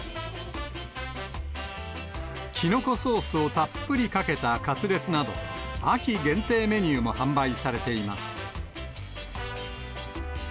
キノコソースをたっぷりかけたカツレツなど、秋限定メニューも販売されています。